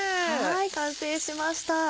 完成しました。